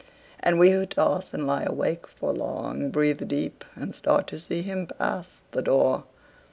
And we who toss and lie awake for long, Breathe deep, and start, to see him pass the door.